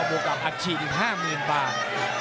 บวกกับอัดฉีดอีกห้าเมือนบ้าง